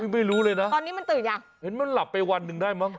ไม่รู้เลยนะตอนนี้มันตื่นยังเห็นมันหลับไปวันหนึ่งได้มั้